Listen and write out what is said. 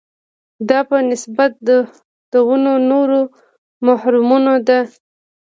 دا په نسبت د دوو نورو محورونو ده.